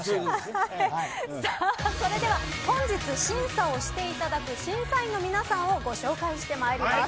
それでは本日、審査をしていただく審査員の皆さんをご紹介します。